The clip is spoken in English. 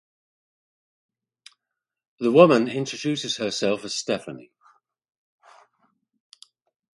The woman introduces herself as Stephanie.